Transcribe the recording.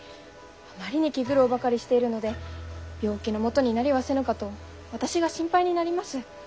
あまりに気苦労ばかりしているので病気のもとになりはせぬかと私が心配になります。